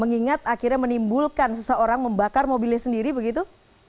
mengingat akhirnya menimbulkan seseorang membakar mobilnya sendiri begitu